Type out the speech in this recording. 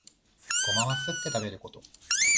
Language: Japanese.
ゴマはすって食べること